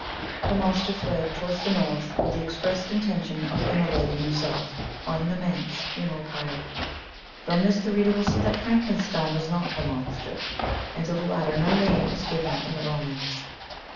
The monster fled towards the north with the expressed intention of immolating himself on an immense funeral pyre. From this the reader will see that Frankenstein was not the monster and to the latter no name is given in the romance.